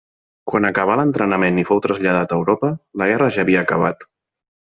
Quan acabà l'entrenament i fou traslladat a Europa, la guerra ja havia acabat.